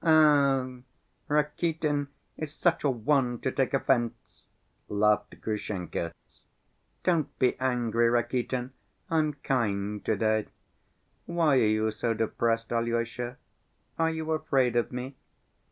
Ugh, Rakitin is such a one to take offense!" laughed Grushenka. "Don't be angry, Rakitin, I'm kind to‐day. Why are you so depressed, Alyosha? Are you afraid of me?"